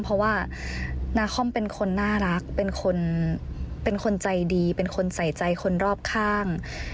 เพราะว่านาคอมเป็นคนน่ารักเป็นคนเป็นคนใจดีเป็นคนใส่ใจคนรอบข้าง